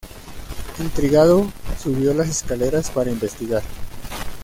Intrigado, subió las escaleras para investigar.